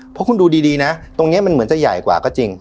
เพราะคุณดูดีนะตรงนี้มันเหมือนจะใหญ่กว่าก็จริง